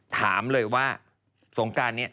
ถามเลยว่าสวนกันนี้